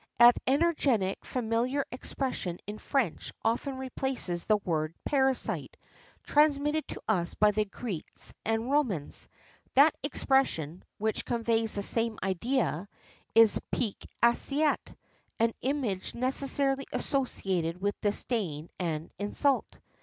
[XXXIV 18] An energetic, familiar expression in French often replaces the word parasite, transmitted to us by the Greeks and Romans: that expression, which conveys the same idea, is pique assiette, an image necessarily associated with disdain and insult.